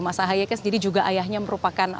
mas ahaye kan sendiri juga ayahnya merupakan